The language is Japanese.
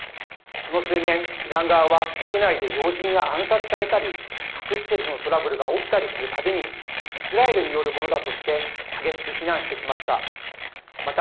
この数年イラン側は国内で要人が暗殺されたり核施設のトラブルが起きたりするたびにイスラエルによるものだとして激しく非難してきました。